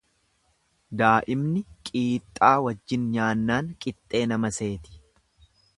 Daa'imni qiixxaa wajjin nyaannaan qixxee nama seeti.